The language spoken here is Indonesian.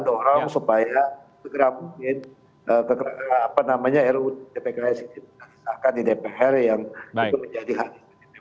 diorang supaya segera mungkin apa namanya ru dpks ini disahkan di dpr yang itu menjadi hal